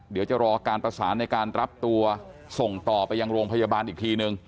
เดี๋ยวจะรอการประสานในการรับตัวส่งต่อไปยังโรงพยาบาลอีกทีนึง